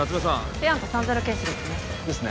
ペアンと３−０絹糸ですねですね